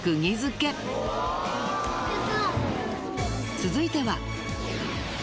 続いては。